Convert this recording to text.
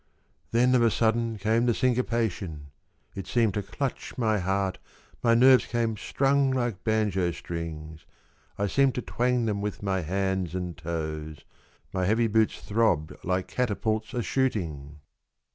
Then of a sudden came the syncopation ; It seemed to clutch my heart, My nerves came strung like banjo strings — I seemed to twang them with my hands and toes, My heavy boots throbbed like catapults a shooting